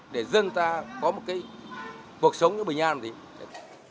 để dân ta có một cái cuộc sống như bình an làm gì